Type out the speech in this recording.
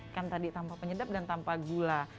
kan tadi tanpa penyedap dan tanpa gula